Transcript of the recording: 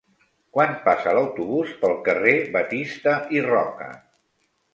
Quan passa l'autobús pel carrer Batista i Roca?